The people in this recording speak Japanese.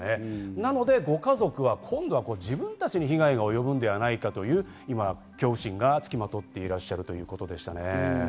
なのでこ家族は今度は自分たちに被害が及ぶのではないかという恐怖心がつきまとっていらっしゃるということでしたね。